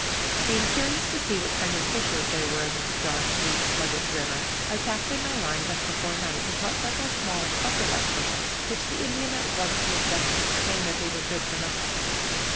Being curious to see what kind of fishes there were in this dark, deep, sluggish river, I cast in my line just before night, and caught several small sucker like fishes, which the Indian at once rejected, saying that they were good for nothing.